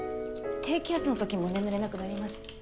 低気圧の時も眠れなくなります。